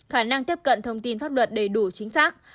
khả năng tiếp cận thông tin pháp luật đầy đủ chính xác